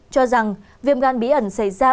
cho rằng viêm gan bí ẩn xảy ra